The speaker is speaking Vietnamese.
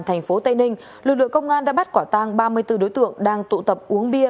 tp tây ninh lực lượng công an đã bắt quả tăng ba mươi bốn đối tượng đang tụ tập uống bia